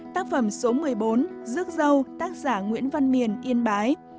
tác phẩm số một mươi bốn rước dâu tác giả nguyễn văn miền yên bái